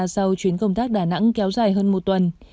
sau chuyến công tác đà nẵng kéo dài hơn một tuần